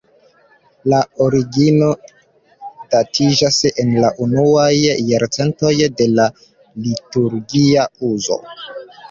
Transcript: La origino datiĝas en la unuaj jarcentoj de la liturgia uzo.